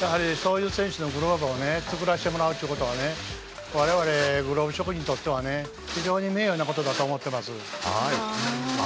やはり、そういう選手のグローブを作らせてもらうということは我々グローブ職人にとっては非常に名誉なことだと思っています。